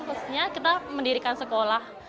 maksudnya kita mendirikan sekolah